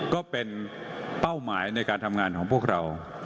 ก็เป็นเป้าหมายในการทำงานของพวกเรา